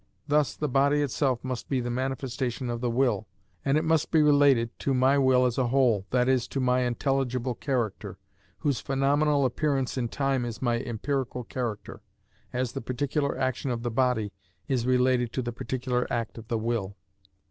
Thus the body itself must be manifestation of the will, and it must be related to my will as a whole, that is, to my intelligible character, whose phenomenal appearance in time is my empirical character, as the particular action of the body is related to the particular act of the will.